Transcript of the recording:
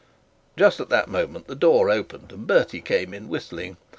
Just at that moment the door opened, and Bertie came in whistling.